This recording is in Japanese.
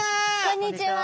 こんにちは！